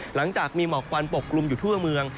หลังจากมีหมอกควันปกกลุ่มอยู่ทั่วเมือง